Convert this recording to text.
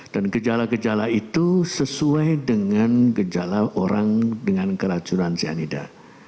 dan gejala gejala itu sesuai dengan gejala orang dengan keracunan cyanida